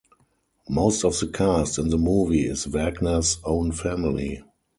Most of the cast in the movie is Wagner's own family.